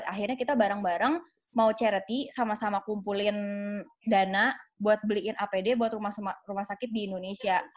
akhirnya kita bareng bareng mau charity sama sama kumpulin dana buat beliin apd buat rumah sakit di indonesia